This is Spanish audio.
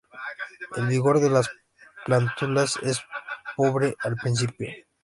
El vigor de las plántulas es pobre al principio.